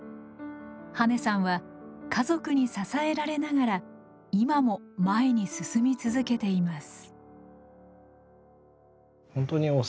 羽根さんは家族に支えられながら今も前に進み続けています。